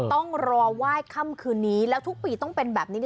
ต้องรอไหว้ค่ำคืนนี้แล้วทุกปีต้องเป็นแบบนี้